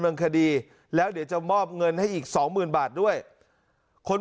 เมืองคดีแล้วเดี๋ยวจะมอบเงินให้อีกสองหมื่นบาทด้วยคน